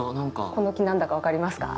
この木、何だか分かりますか？